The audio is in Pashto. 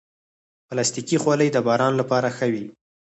پلاستيکي خولۍ د باران لپاره ښه وي.